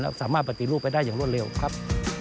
แล้วสามารถปฏิรูปไปได้อย่างรวดเร็วครับ